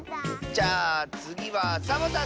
じゃあつぎはサボさんだよ。